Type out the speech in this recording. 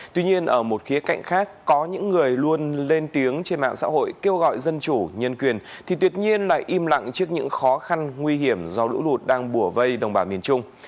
tuy nhiên ở một khía cạnh khác có những người luôn lên tiếng trên mạng xã hội kêu gọi dân chủ nhân quyền thì tuyệt nhiên lại im lặng trước những khó khăn nguy hiểm do lũ lụt đang bùa vây đồng bào miền trung